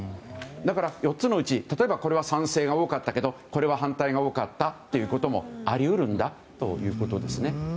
だから、４つのうちこれは賛成が多かったけどこれは反対が多かったということもあり得るということです。